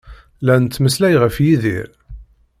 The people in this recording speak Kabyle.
La nettmeslay ɣef Yidir.